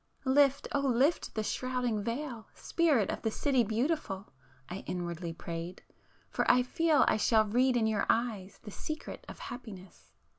"Lift, oh lift the shrouding veil, Spirit of the City Beautiful!" I inwardly prayed—"For I feel I shall read in your eyes the secret of happiness!"